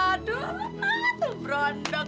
aduh mati berondong